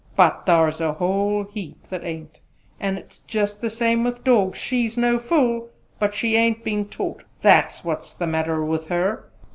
But thar's a whole heap that ain't! An' it's jus' the same with dawgs. She's no fool, but she ain't been taught: that's what's the matter with her.